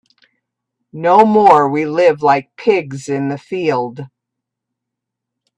No more we live like pigs in the field.